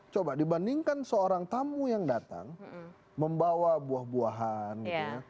coba dibandingkan seorang tamu yang datang membawa buah buahan gitu ya